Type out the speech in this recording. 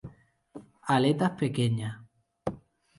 Aletas pequeñas.